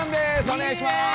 お願いします！